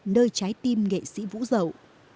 nơi trái tim nghệ sĩ vũ rậu